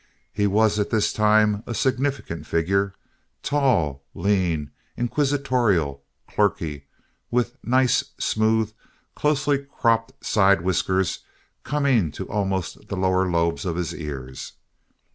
He was at this time a significant figure—tall, lean, inquisitorial, clerkly—with nice, smooth, closely cropped side whiskers coming to almost the lower lobes of his ears.